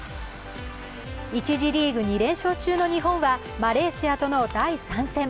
１次リーグ２連勝中の日本はマレーシアとの第３戦。